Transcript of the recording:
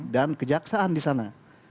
dan kejaksaan disana